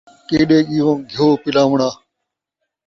کیݙے ڳیوں گھیو پلاوݨاں